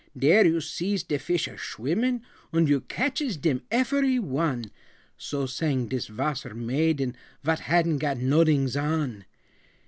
"Dere you sees de fisch a schwimmin, Und you catches dem efery one" So sang dis wasser maiden Vot hadn't got nodings on.